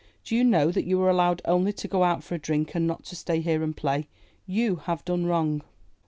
Do you know that you were allowed only to go out for a drink and not to stay here and play? You have done wrong."